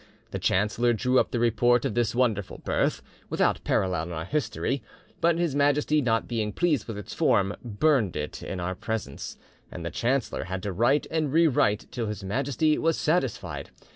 The chancellor drew up the report of this wonderful birth, without parallel in our history; but His Majesty not being pleased with its form, burned it in our presence, and the chancellor had to write and rewrite till His Majesty was satisfied.